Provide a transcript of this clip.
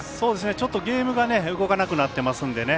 ちょっとゲームが動かなくなってますんでね。